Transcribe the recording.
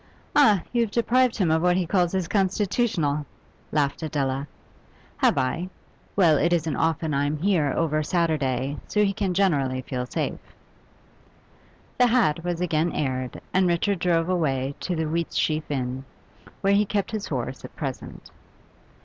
'Ah, you have deprived him of what he calls his constitutional,' laughed Adela. 'Have I? Well, it isn't often I'm here over Saturday, so he can generally feel safe.' The hat was again aired, and Richard drove away to the Wheatsheaf Inn, where he kept his horse at present.